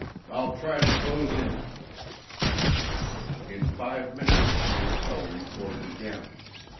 I'll try to close in." In five minutes, Mantell reported again.